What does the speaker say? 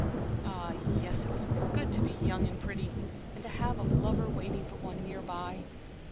Ah, yes, it was good to be young and pretty, and to have a lover waiting for one near by.